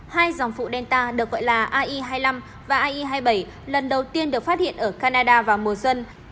hai dòng vụ delta được gọi là ai hai mươi năm và ai hai mươi bảy lần đầu tiên được phát hiện ở canada vào mùa xuân